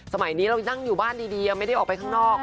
สมัยนี้เรานั่งอยู่บ้านดีไม่ได้ออกไปข้างนอก